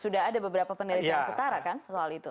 sudah ada beberapa penelitian setara kan soal itu